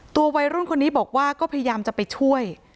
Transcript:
วัยรุ่นคนนี้บอกว่าก็พยายามจะไปช่วย